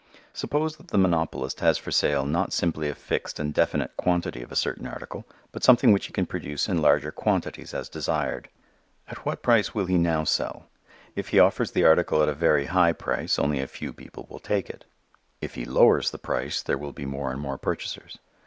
Suppose that the monopolist has for sale not simply a fixed and definite quantity of a certain article, but something which he can produce in larger quantities as desired. At what price will he now sell? If he offers the article at a very high price only a few people will take it: if he lowers the price there will be more and more purchasers.